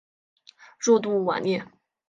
若杜瓦涅。